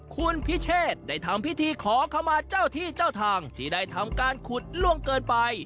คุณพิเชษได้ทำพิธีขอขมาเจ้าที่เจ้าทางที่ได้ทำการขุดล่วงเกินไป